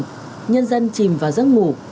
dần dần nhân dân chìm vào giấc ngủ